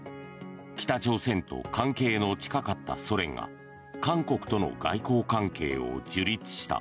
北朝鮮と関係の近かったソ連が韓国との外交関係を樹立した。